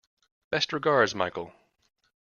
Best regards, Michael